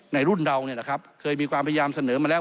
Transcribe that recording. ในรุ่นเราเคยมีความพยายามเสนอมาแล้ว